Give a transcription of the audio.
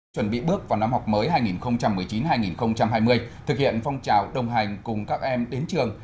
chuẩn bị bước vào năm học mới hai nghìn một mươi chín hai nghìn hai mươi thực hiện phong trào đồng hành cùng các em đến trường